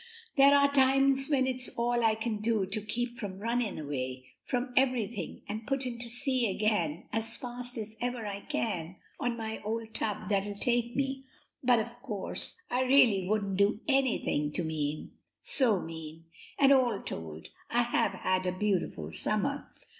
There are times when it's all I can do to keep from running away from everything and putting to sea again as fast as ever I can on any old tub that'll take me; but, of course, I really wouldn't do anything so mean; and all told, I have had a beautiful summer.